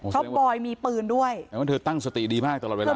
เพราะบอยมีปืนด้วยแต่ว่าเธอตั้งสติดีมากตลอดเวลา